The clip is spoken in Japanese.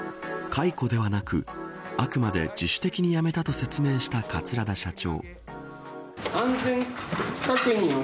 解雇ではなくあくまで自主的に辞めたと説明した桂田社長。